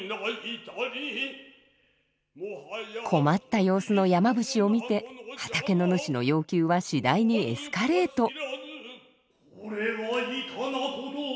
困った様子の山伏を見て畑の主の要求は次第にエスカレート。